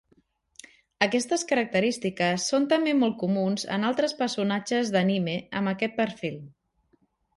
Aquestes característiques són també molt comuns en altres personatges d'anime amb aquest perfil.